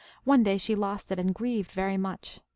One day she lost it, and grieved very much.